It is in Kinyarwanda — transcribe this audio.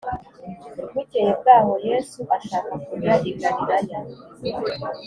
Bukeye bwaho Yesu ashaka kujya i Galilaya